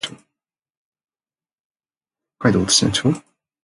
北海道音更町